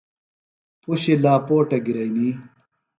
پُشیۡ لاپوٹہ گِرئنی۔